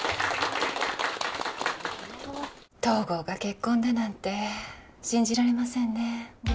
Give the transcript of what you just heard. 東郷が結婚だなんて信じられませんね